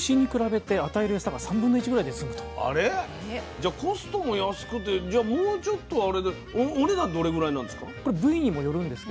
じゃあコストも安くてお値段どれぐらいなんですか？